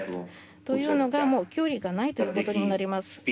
というのが距離がないということになります。